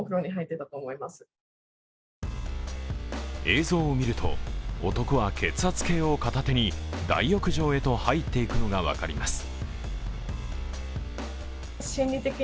映像を見ると、男は血圧計を片手に大浴場へと入っていくのが分かります。